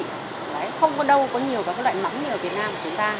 không có đâu có nhiều các loại mắm như ở việt nam của chúng ta